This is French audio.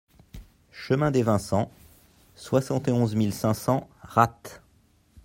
Chemin des Vincents, soixante et onze mille cinq cents Ratte